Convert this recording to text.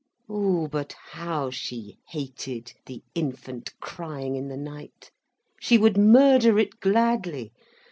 Ooh, but how she hated the infant crying in the night. She would murder it gladly.